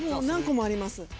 何個もあります。